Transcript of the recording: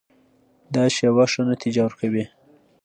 دا شیوه ښه نتیجه ورکوي.